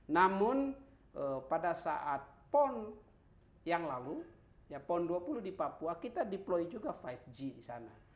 namun pada saat pon yang lalu ya pon dua puluh di papua kita deploy juga lima g di sana